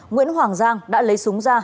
nguyễn hoàng giang đã lấy súng ra